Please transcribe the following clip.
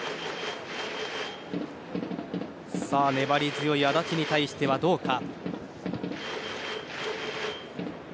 粘り強い安達に対してはどうか。